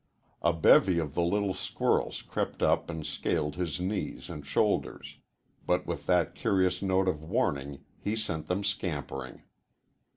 A bevy of the little squirrels crept up and scaled his knees and shoulders, but with that curious note of warning he sent them scampering.